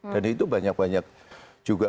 dan itu banyak banyak juga